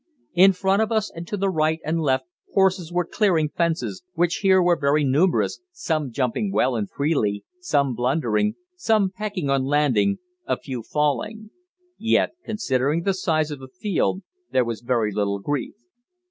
In front of us and to right and left horses were clearing fences, which here were very numerous, some jumping well and freely, some blundering, some pecking on landing, a few falling. Yet, considering the size of the field, there was very little grief.